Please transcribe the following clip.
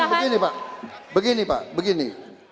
dan begini pak begini pak begini